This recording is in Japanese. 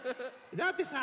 だってさ